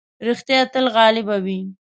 رښتيا تل غالب وي.